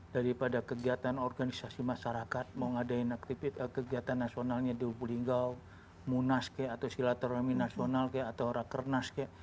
daripada kegiatan organisasi masyarakat mau ngadain aktivitas kegiatan nasionalnya di lubuk tinggal munas kek atau silateromi nasional kek atau raker nas kek